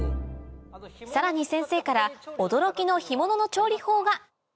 さらに先生から驚きの干物の調理法が！